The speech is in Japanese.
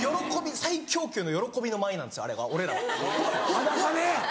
裸で。